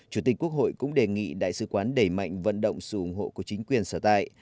chủ tịch quốc hội cũng đề nghị đại sứ quán đẩy mạnh vận động sự ủng hộ của chính quyền sở tại